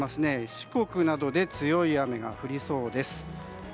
四国などで強い雨が降りそうです。